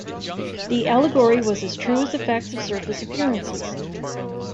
The allegory was as true as the facts of surface appearances.